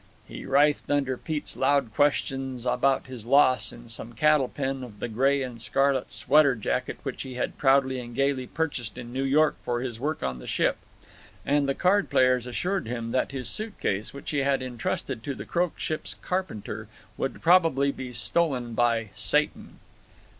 He writhed under Pete's loud questions about his loss, in some cattle pen, of the gray and scarlet sweater jacket which he had proudly and gaily purchased in New York for his work on the ship. And the card players assured him that his suit case, which he had intrusted to the Croac ship's carpenter, would probably be stolen by "Satan."